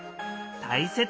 大切。